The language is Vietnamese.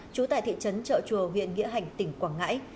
trú tại thị trấn trợ chùa huyện nghĩa hành tỉnh quảng ngãi